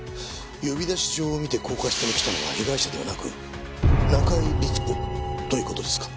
呼び出し状を見て高架下に来たのは被害者ではなく中井律子という事ですか？